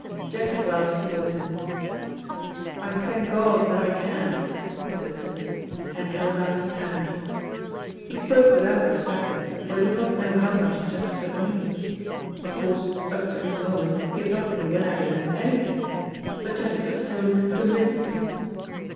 Jack advanced towards him. "I thank God that I can," he said simply, and held out his hand. He spoke without reflecting, for he did not know how much Chesterford knew. Of course, up to this moment, he had not been aware that he knew anything. But Chesterford's tone convinced him.